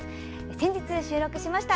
先日収録しました。